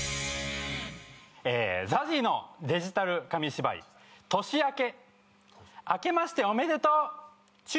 えＺＡＺＹのデジタル紙芝居「年明け」「明けましておめでとう！」